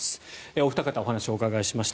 お二方、お話をお伺いしました。